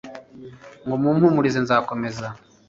ngo umpumurize, nzakomeza